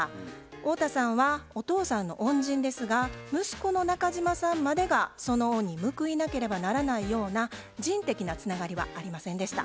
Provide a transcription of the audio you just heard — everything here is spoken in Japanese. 太田さんはお父さんの恩人ですが息子の中島さんまでがその恩に報いなければならないような人的なつながりはありませんでした。